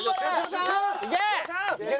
いけ！